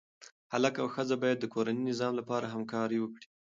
هلک او ښځه باید د کورني نظم لپاره همکاري وکړي.